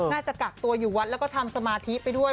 น่าจะกักตัวอยู่วัดแล้วก็ทำสมาธิไปด้วย